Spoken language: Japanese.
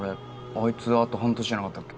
あいつあと半年じゃなかったっけ？